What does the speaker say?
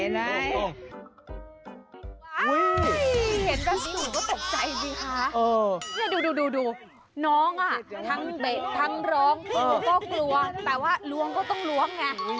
นูก็กลัวแต่ว่าล้วงก็ต้องล้วง